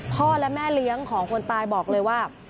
พ่อและแม่เลี้ยงของคนตายบอกเลยว่า